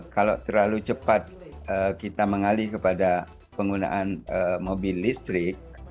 kalau terlalu cepat kita mengalih kepada penggunaan mobil listrik